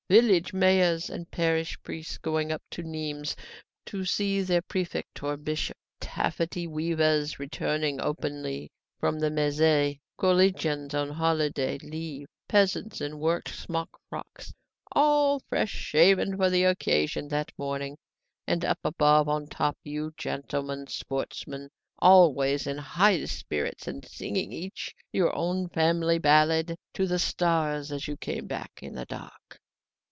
village mayors and parish priests going up to Nimes to see their prefect or bishop, taffety weavers returning openly from the Mazet, collegians out on holiday leave, peasants in worked smock frocks, all fresh shaven for the occasion that morning; and up above, on the top, you gentlemen sportsmen, always in high spirits, and singing each your own family ballad to the stars as you came back in the dark.